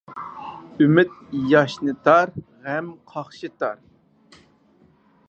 ئۈمۈد ياشنىتار، غەم قاقشىتار.